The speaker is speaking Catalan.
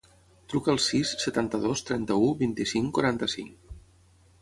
Truca al sis, setanta-dos, trenta-u, vint-i-cinc, quaranta-cinc.